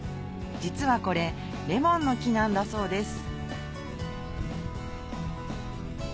実はこれレモンの木なんだそうです